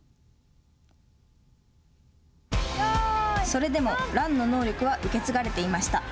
それでもランの能力は受け継がれていました。